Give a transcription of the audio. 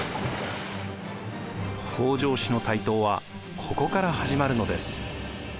北条氏の台頭はここから始まるのです。